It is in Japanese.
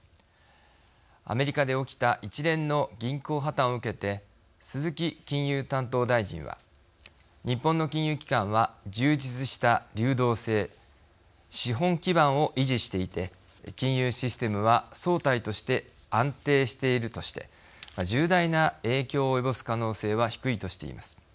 アメリカで起きた一連の銀行破綻を受けて鈴木金融担当大臣は「日本の金融機関は充実した流動性資本基盤を維持していて金融システムは総体として安定している」として重大な影響を及ぼす可能性は低いとしています。